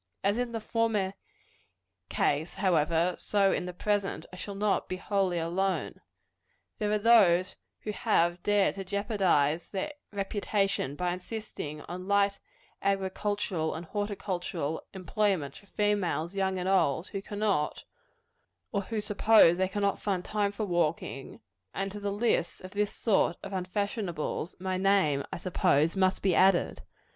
As in the former ease, however, so in the present, I shall not be wholly alone. There are those who have dared to jeopardize their reputation by insisting on light agricultural and horticultural employments for females, young and old, who cannot, or who suppose they cannot find time for walking; and to the list of this sort of unfashionables, my name, I suppose, must be added.